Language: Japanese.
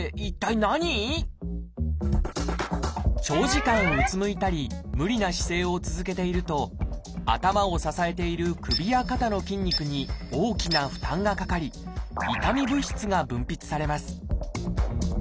長時間うつむいたり無理な姿勢を続けていると頭を支えている首や肩の筋肉に大きな負担がかかり痛み物質が分泌されます